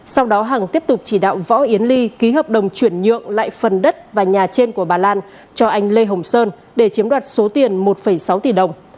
sau đó hằng tiếp tục chỉ đạo võ yến ly ký hợp đồng chuyển nhượng lại phần đất và nhà trên của bà lan cho anh lê hồng sơn để chiếm đoạt số tiền một sáu tỷ đồng